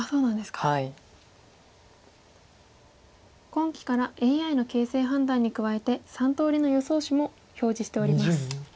今期からＡＩの形勢判断に加えて３通りの予想手も表示しております。